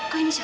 kok ini jatuh